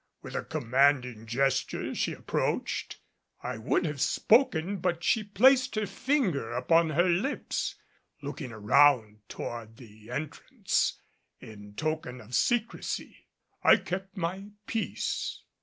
With a commanding gesture she approached. I would have spoken; but she placed her finger upon her lips, looking around toward the entrance in token of secrecy. I kept my peace.